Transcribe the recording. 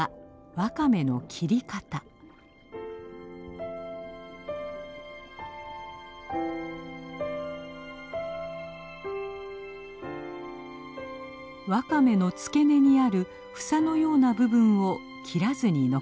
ワカメの付け根にある房のような部分を切らずに残すのです。